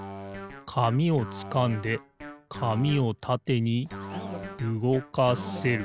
紙をつかんで紙をたてにうごかせる。